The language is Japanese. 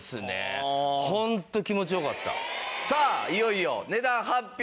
さあいよいよ。